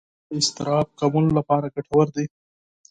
ورزش د اضطراب کمولو لپاره ګټور دی.